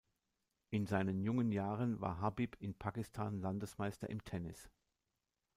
In seinen jungen Jahren war Habib in Pakistan Landesmeister im Tennis.